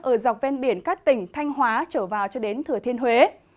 ở dọc ven biển các tỉnh thanh hóa trở vào cho đến thừa thiên huế